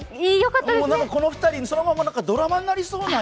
この２人、そのままドラマになりそうな。